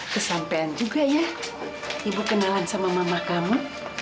kesampean juga ya ibu kenalan sama mama kamu